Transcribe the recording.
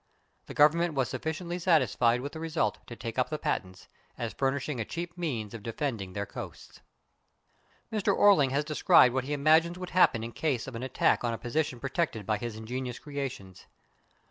The Government was sufficiently satisfied with the result to take up the patents, as furnishing a cheap means of defending their coasts. Mr. Orling has described what he imagines would happen in case of an attack on a position protected by his ingenious creations.